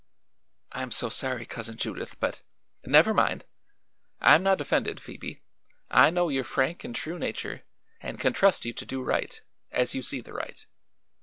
"I'm so sorry, Cousin Judith; but " "Never mind. I am not offended, Phoebe. I know your frank and true nature and can trust you to do right, as you see the right.